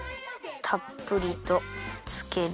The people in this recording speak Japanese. たっぷりとつける。